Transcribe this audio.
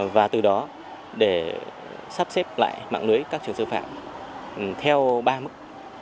và từ đó để sắp xếp lại mạng lưới các trường sư phạm theo ba mức